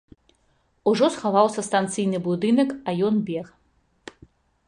Ужо схаваўся станцыйны будынак, а ён бег.